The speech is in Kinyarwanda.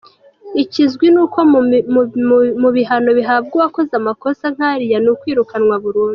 Ikizwi ni uko mu bihano bihabwa uwakoze amakosa nk’ariya ni ukwirukanwa burundu.